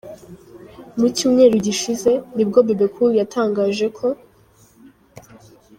Mu cyumweru gishize, ni bwo Bebe Cool yatangaje ko